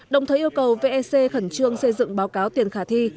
đồng thời yêu cầu vec khẩn trương xây dựng báo cáo tiền khả thi